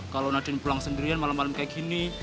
kalau nadin pulang sendirian malem malem kayak gini